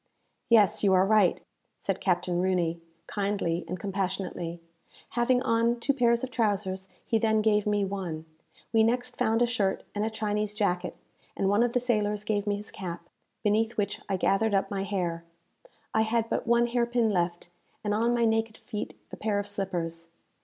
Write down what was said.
"Yes, you are right," said Captain Rooney, kindly and compassionately. Having on two pairs of trousers, he then gave me one. We next found a shirt and a Chinese jacket, and one of the sailors gave me his cap, beneath which I gathered up my hair. I had but one hair pin left, and on my naked feet a pair of slippers.